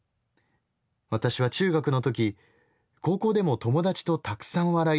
私は中学のとき高校でも友達とたくさん笑い